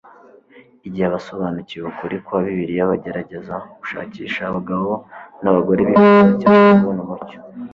Igihe abasobanukiwe ukuri kwa Bibiliya bagerageza gushakisha abagabo nabagore bifuza cyane kubona umucyo